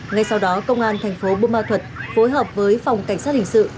ngay sau đó công an thành phố bù ma thuật phối hợp với phòng cảnh sát hình sự